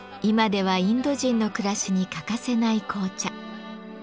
今ではインド人の暮らしに欠かせない紅茶。